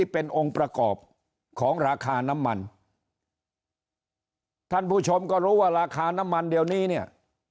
เป็นองค์ประกอบของราคาน้ำมันท่านผู้ชมก็รู้ว่าราคาน้ำมันเดี๋ยวนี้เนี่ย